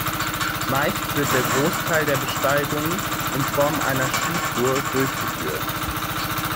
Meist wird der Großteil der Besteigung in Form einer Skitour durchgeführt.